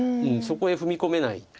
そこへ踏み込めない。